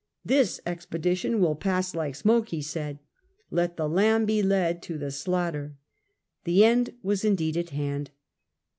"This expedition will pass like smoke," he said ;" let the lamb be led to the slaughter." The end was, indeed, at hand.